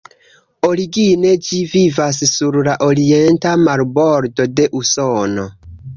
Origine ĝi vivas sur la orienta marbordo de Usono.